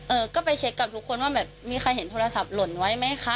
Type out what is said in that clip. เออก็ไปเช็คกับทุกคนว่าแบบมีใครเห็นโทรศัพท์หล่นไว้ไหมคะ